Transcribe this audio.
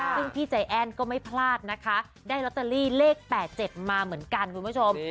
ซึ่งพี่ใจแอ้นก็ไม่พลาดนะคะได้ลอตเตอรี่เลข๘๗มาเหมือนกันคุณผู้ชม